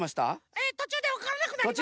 えとちゅうでわからなくなりました。